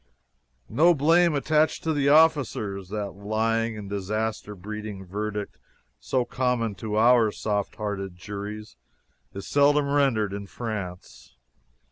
"No blame attached to the officers" that lying and disaster breeding verdict so common to our softhearted juries is seldom rendered in France.